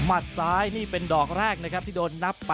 หมาดซ้ายนี่เป็นดอกแรกนะครับที่โดนนับแปดไปก่อน